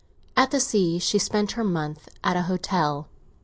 At the sea she spent her month at an hotel.